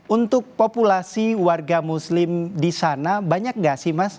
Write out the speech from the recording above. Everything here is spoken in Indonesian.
untuk populasi warga muslim di sana banyak gak sih mas